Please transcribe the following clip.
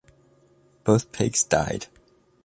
Both pigs died.